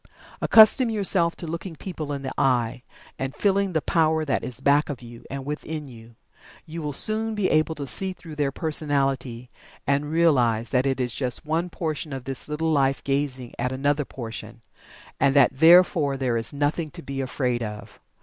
Accustom yourself to looking people in the eye, and feeling the power that is back of you, and within you. You will soon be able to see through their personality, and realize that it is just one portion of the One Life gazing at another portion, and that therefore there is nothing to be afraid of.